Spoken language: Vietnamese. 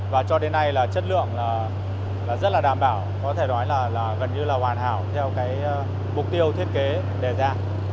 và cho đến nay chất lượng rất là đảm bảo có thể nói gần như hoàn hảo theo mục tiêu thiết kế đề ra